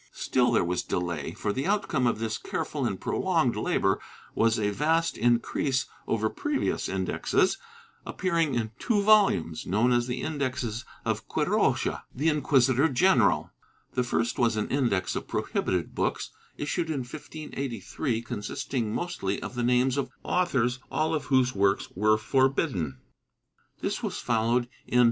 ^ Still there was delay, for the outcome of this careful and prolonged labor was a vast increase over previous indexes, appearing in two volumes, known as the Indexes of Quiroga, the inquisitor general. The first was an Index of prohibited books, issued in 1583, consist ing mostly of the names of authors all of whose works were for • Archive de Simancas, Inq., Lib. 940, fol. 4; Lib. 942, fol. 25. » Ibidem, Lib.